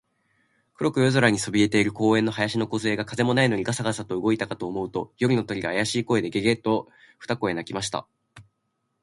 黒く夜空にそびえている公園の林のこずえが、風もないのにガサガサと動いたかと思うと、夜の鳥が、あやしい声で、ゲ、ゲ、と二声鳴きました。